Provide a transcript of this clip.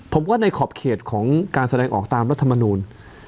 ผมว่าในขอบเขตของการแสดงออกตามรัฐมนูล